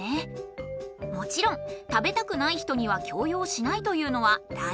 もちろん食べたくない人には強要しないというのは大事なことです。